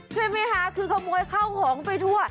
ใช่ไหมคะคือขโมยข้าวของไปทั่ว